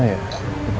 aduh yang mana ya